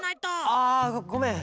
あごめん。